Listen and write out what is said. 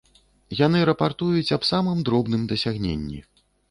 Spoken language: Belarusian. Яны рапартуюць аб самым дробным дасягненні.